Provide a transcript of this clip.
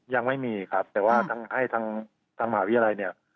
ยังไม่มีครับแต่ว่าให้ทางมหาวิทยาลัยเนี่ย